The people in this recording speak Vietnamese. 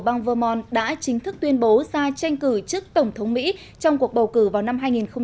bang vermont đã chính thức tuyên bố ra tranh cử trước tổng thống mỹ trong cuộc bầu cử vào năm